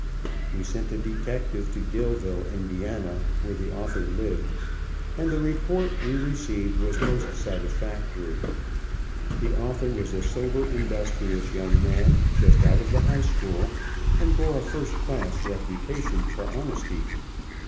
We sent a detective to Dillville, Ind., where the author lived; and the report we received was most satisfactory. The author was a sober, industrious young man, just out of the high school, and bore a first class reputation for honesty.